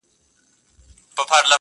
دوی یوه ځانته لاره لرله